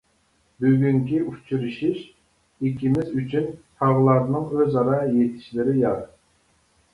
بۈگۈنكى ئۇچرىشىش ئىككىمىز ئۈچۈن تاغلارنىڭ ئۆز ئارا يېتىشلىرى يار.